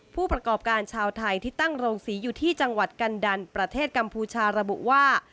ผู้ประกอบการชาวไทยที่ตั้งโรงศรีอยู่ที่จังหวัดกันดันประเทศกัมพูชาระบุว่า